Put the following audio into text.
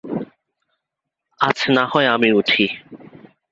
আজ নাহয় আমি উঠি।